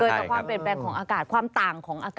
เกิดกับความเป็นแปลงของอากาศความต่างของอากาศ